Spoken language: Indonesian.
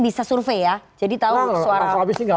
bisa survei ya jadi tahu suara